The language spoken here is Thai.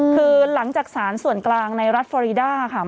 คือหลังจากสารส่วนกลางในรัฐฟอรีด้าค่ะ